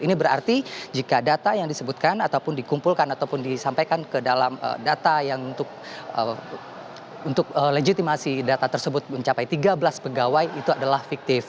ini berarti jika data yang disebutkan ataupun dikumpulkan ataupun disampaikan ke dalam data yang untuk legitimasi data tersebut mencapai tiga belas pegawai itu adalah fiktif